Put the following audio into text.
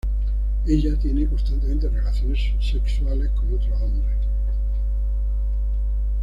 Ella tiene constantemente relaciones sexuales con otros hombres.